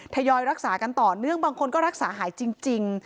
ทยอยรักษากันต่อเนื่องบางคนก็รักษาหายจริง